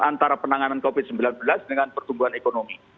antara penanganan covid sembilan belas dengan pertumbuhan ekonomi